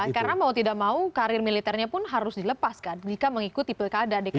karena mau tidak mau karir militernya pun harus dilepas kan jika mengikuti pilkada dki